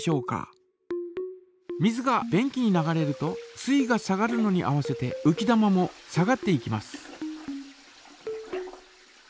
水が便器に流れると水位が下がるのに合わせてうき玉も下がっていきます。